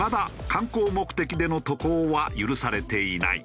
観光目的での渡航は許されていない。